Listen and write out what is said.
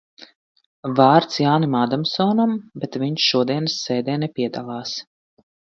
Vārds Jānim Ādamsonam, bet viņš šodienas sēdē nepiedalās.